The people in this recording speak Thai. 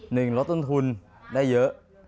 หนึ่งลดต้นทุนได้เยอะ